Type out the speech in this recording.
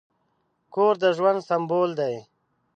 کور د ژوند سمبول دی.